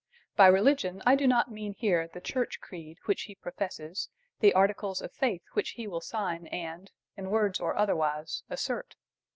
By religion I do not mean here the church creed which he professes, the articles of faith which he will sign and, in words or otherwise, assert.